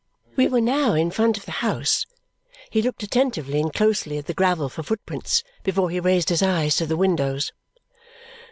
We were now in front of the house; he looked attentively and closely at the gravel for footprints before he raised his eyes to the windows.